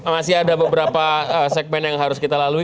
masih ada beberapa segmen yang harus kita lalui